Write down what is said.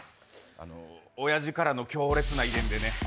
あのおやじからの強烈な遺伝でね。